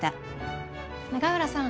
永浦さん